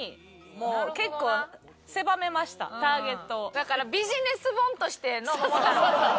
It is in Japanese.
だからビジネス本としての『桃太郎』だ。